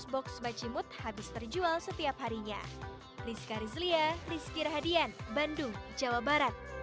seratus box bacimut habis terjual setiap harinya